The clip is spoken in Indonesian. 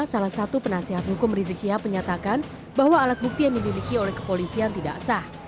salah satu penasehat hukum rizik syihab menyatakan bahwa alat bukti yang dimiliki oleh kepolisian tidak sah